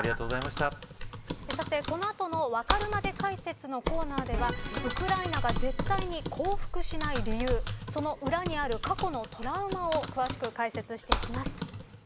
この後のわかるまで解説のコーナーではウクライナが絶対に降伏しない理由その裏にある過去のトラウマを詳しく解説していきます。